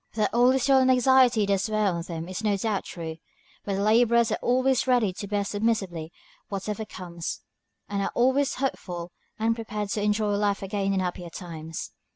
That all this toil and anxiety does wear on them is no doubt true, but the laborers are always ready to bear submissively whatever comes, and are always hopeful and prepared to enjoy life again in happier times.